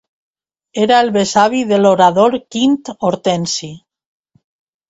Era el besavi de l'orador Quint Hortensi.